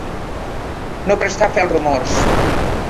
No prestar fe als rumors.